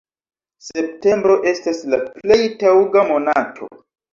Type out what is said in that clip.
Septembro estas la plej taŭga monato.